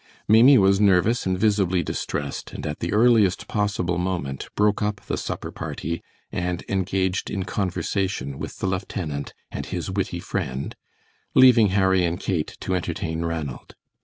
Maimie was nervous and visibly distressed, and at the earliest possible moment broke up the supper party and engaged in conversation with the lieutenant and his witty friend, leaving Harry and Kate to entertain Ranald.